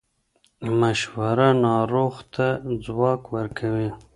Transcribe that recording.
مشوره ناروغ ته ځواک ورکوي.